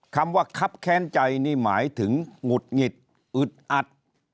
คำว่าคับแค้นใจนี่หมายถึงหงุดหงิดอึดอัด